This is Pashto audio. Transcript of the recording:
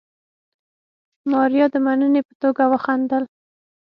ماريا د مننې په توګه وخندل.